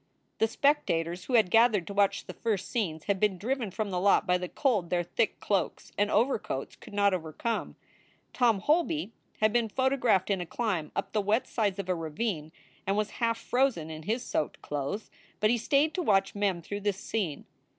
The spectators who had gathered to watch the first scenes had been driven from the lot by the cold their thick cloaks and overcoats could not overcome. Tom Holby had been photographed in a climb up the wet sides of a ravine, and was half frozen in his soaked clothes, but he stayed to watch Mem through this scene.